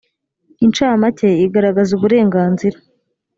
incamake igaragaza uburenganzira